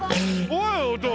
おい！